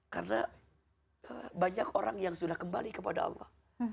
karena banyak orang yang sudah kembali kepada allah